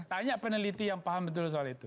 banyak peneliti yang paham betul soal itu